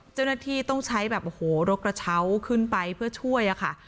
เจ้าหน้าที่ต้องใช้แบบโอ้โหรกกระเช้าขึ้นไปเพื่อช่วยอะค่ะ